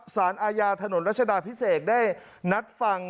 สารอาญาถนนรัชดาพิเศษได้นัดฟัง